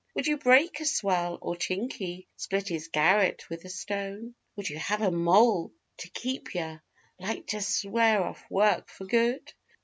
Would you break a swell or Chinkie split his garret with a stone? Would you have a "moll" to keep yer like to swear off work for good?